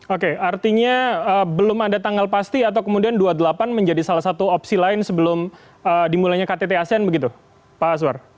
oke artinya belum ada tanggal pasti atau kemudian dua puluh delapan menjadi salah satu opsi lain sebelum dimulainya ktt asean begitu pak aswar